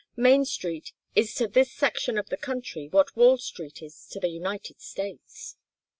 Main Street is to this section of the country what Wall Street is to the United States."